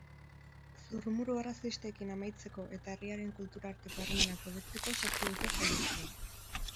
Zurrumurru arrazistekin amaitzeko eta herriaren kultura arteko harremanak hobetzeko sortu dute proiektua.